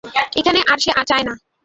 এখন আর সে চায় না।